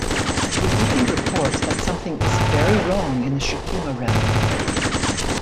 Fubuki reports that something is very wrong in the Shikima realm.